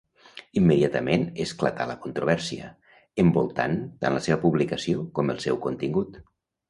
Immediatament esclatà la controvèrsia, envoltant tant la seva publicació com el seu contingut.